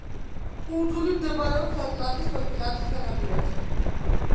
კუნძული მდებარეობს ატლანტის ოკეანის სანაპიროზე.